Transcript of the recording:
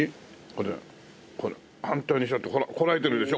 これ反対にしたってほらこらえてるでしょ？